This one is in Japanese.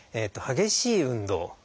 激しい運動